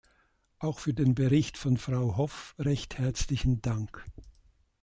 Auch für den Bericht von Frau Hoff recht herzlichen Dank.